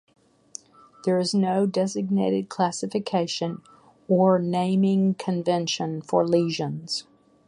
There is no designated classification or naming convention for lesions.